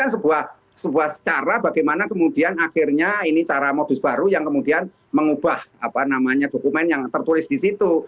ini sebuah cara bagaimana kemudian akhirnya ini cara modus baru yang kemudian mengubah dokumen yang tertulis di situ